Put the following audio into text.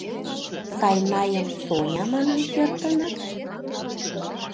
Сайнайым Соня манын кертыныт?